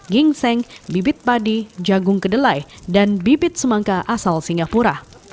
gingseng bibit padi jagung kedelai dan bibit semangka asal singapura